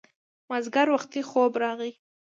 مازیګر وختي خوب راغی